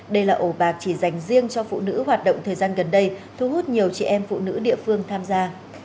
đây là ổ bạc chỉ dành riêng cho phụ nữ hoạt động thời gian gần đây thu hút nhiều chị em phụ nữ địa phương tham gia